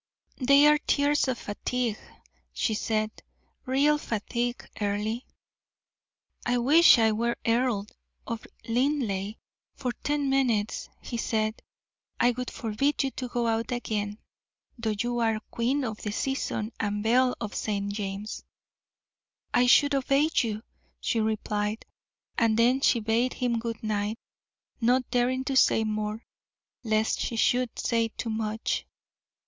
"They are tears of fatigue," she said "real fatigue, Earle." "I wish I were Earl of Linleigh for ten minutes," he said; "I would forbid you to go out again, though you are queen of the season and belle of St. James'." "I should obey you," she replied; and then she bade him good night, not daring to say more, lest she should say too much.